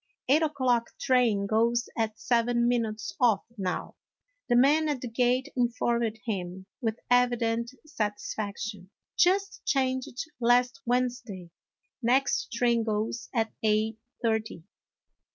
" Eight o'clock train goes at seven minutes of, now," the man at the gate informed him with evident satisfaction ;" just changed last Wednesday; next train goes at eight thirty."